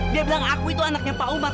dia bilang aku itu anaknya pak umar